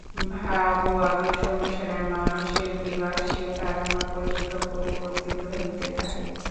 ভাব ও আদর্শ অনুসারে মানুষের বিলাসের ধারণা পর্যন্ত পরিবর্তিত হইতে থাকে।